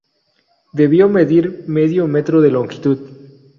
Debió medir medio metro de longitud.